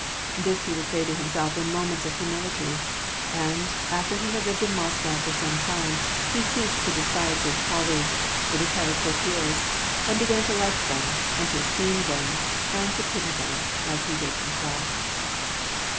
This he would say to nimself in moments of humility ; and, after he had lived in Moscow for some time, he ceased to despise his colleagues, the retired courtiers, and began to like them, and to esteem them, and to pity them, as he did himself.